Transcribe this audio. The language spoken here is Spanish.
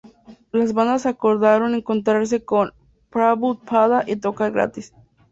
Las bandas acordaron encontrarse con Prabhupada y tocar gratis.